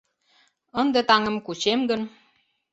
Ынде таҥым кучем гын